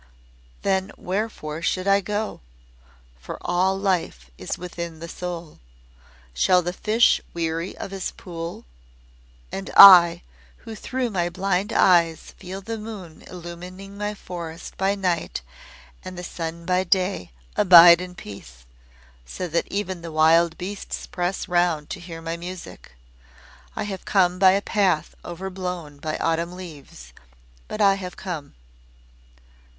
Then wherefore should I go? for all life is within the soul. Shall the fish weary of his pool? And I, who through my blind eyes feel the moon illuming my forest by night and the sun by day, abide in peace, so that even the wild beasts press round to hear my music. I have come by a path overblown by autumn leaves. But I have come."